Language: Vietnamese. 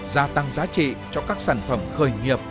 gia tăng giá trị cho các sản phẩm khởi nghiệp